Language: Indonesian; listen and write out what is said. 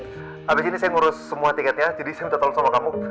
habis ini saya ngurus semua tiketnya jadi saya minta tolong sama kamu